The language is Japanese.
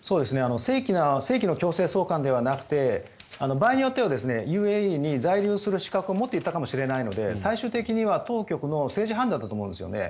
正規の強制送還ではなくて場合によってはＵＡＥに在留する資格を持っていたかもしれないので最終的には当局の政治判断だと思いますね。